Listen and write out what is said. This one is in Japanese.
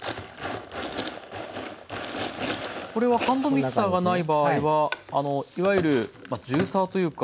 これはハンドミキサーがない場合はいわゆるジューサーというか。